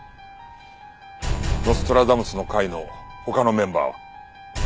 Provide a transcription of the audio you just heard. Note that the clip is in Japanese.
ノストラダムスの会の他のメンバーは？